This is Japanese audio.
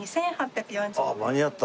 ああ間に合った。